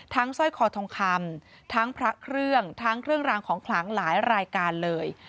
สร้อยคอทองคำทั้งพระเครื่องทั้งเครื่องรางของขลังหลายรายการเลย